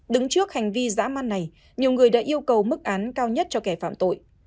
đứng trước hành vi giã man này nhiều người đã yêu cầu mức án cao nhất cho kẻ phạm tội